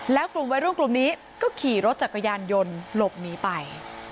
แล้วกลุ่มวัยรุ่นกลุ่มนี้ก็ขี่รถจักรยานยนต์หลบหนีไป